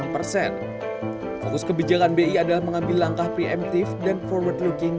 fokus kebijakan bi adalah mengambil langkah preemptif dan forward looking